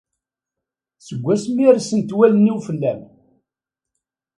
Seg asmi rsen-t wallen-iw fell-am